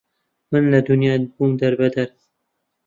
من لە دونیا بوم دەر بەدەر